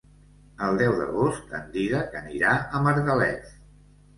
El deu d'agost en Dídac anirà a Margalef.